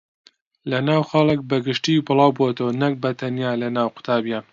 لەناو خەڵک بەگشتی بڵاوبۆتەوە نەک بەتەنها لەناو قوتابییان